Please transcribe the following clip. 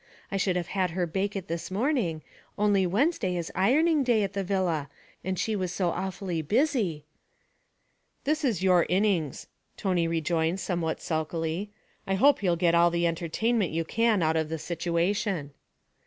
I would have had her bake it this morning, only Wednesday is ironing day at the villa, and she was so awfully busy ' 'This is your innings,' Tony rejoined somewhat sulkily. 'I hope you'll get all the entertainment you can out of the situation.'